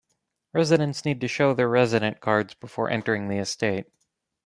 Residents need to show their resident cards before entering the estate.